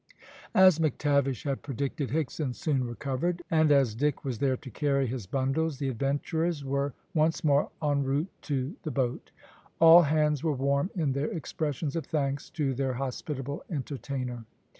As McTavish had predicted, Higson soon recovered; and as Dick was there to carry his bundles the adventurers were once more en route to the boat. All hands were warm in their expressions of thanks to their hospitable entertainer.